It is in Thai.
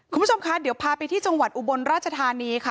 คุณผู้ชมคะเดี๋ยวพาไปที่จังหวัดอุบลราชธานีค่ะ